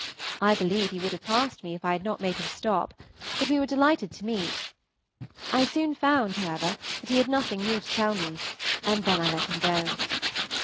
I believe he would have passed me if I had not made him stop, but we were delighted to meet. I soon found, however, that he had nothing new to tell me, and then I let him go.